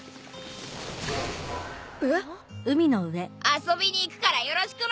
遊びに行くからよろしくな。